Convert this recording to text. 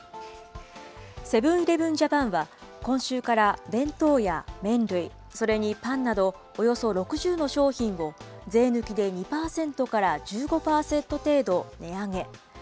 セブン−イレブン・ジャパンは、今週から弁当や麺類、それにパンなどおよそ６０の商品を税抜きで２％から１５％程度値上げ。